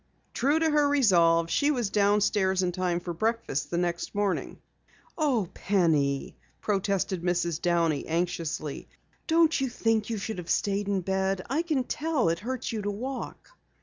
True to her resolve, she was downstairs in time for breakfast the next morning. "Oh, Penny," protested Mrs. Downey anxiously, "don't you think you should have stayed in bed? I can tell it hurts you to walk."